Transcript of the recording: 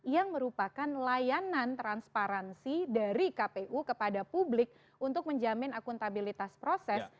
yang merupakan layanan transparansi dari kpu kepada publik untuk menjamin akuntabilitas proses